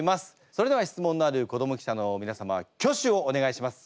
それでは質問のある子ども記者のみなさま挙手をお願いします。